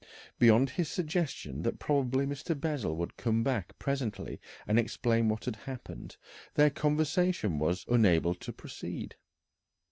Beyond his suggestion that probably Mr. Bessel would come back presently and explain what had happened, their conversation was unable to proceed.